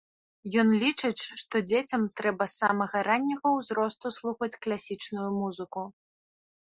Ён лічыць, што дзецям трэба з самага ранняга ўзросту слухаць класічную музыку.